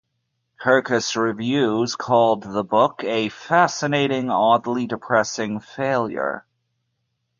Kirkus Reviews called the book "a fascinating, oddly depressing failure".